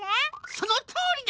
そのとおりだ。